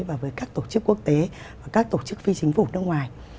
và với các tổ chức quốc tế và các tổ chức phi chính phủ nước ngoài